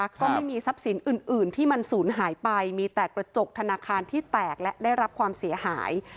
ก็ไม่มีทรัพย์สินอื่นที่มันสูญหายไปมีแต่กระจกธนาคารที่แตกและได้รับความเสียหาย